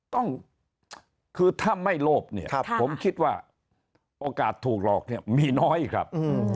ต้องคือถ้าไม่โลภเนี่ยผมคิดว่าโอกาสถูกหลอกเนี่ยมีน้อยครับ